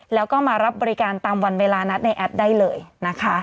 แล้วก็มารับบริการตามวันเวลานัดในแอปได้เลยนะคะ